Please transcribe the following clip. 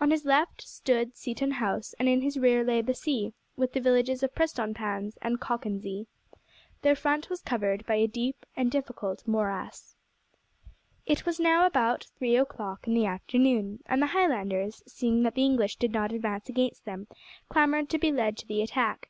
On his left stood Seaton House, and in his rear lay the sea, with the villages of Prestonpans and Cockenzie. Their front was covered by a deep and difficult morass. It was now about three o'clock in the afternoon, and the Highlanders, seeing that the English did not advance against them, clamoured to be led to the attack.